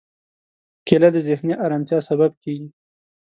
کېله د ذهني ارامتیا سبب کېږي.